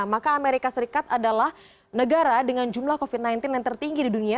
maka amerika serikat adalah negara dengan jumlah covid sembilan belas yang tertinggi di dunia